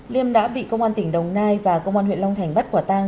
liêm đã bị công an tỉnh đồng nai và công an huyện long thành bắt quả tang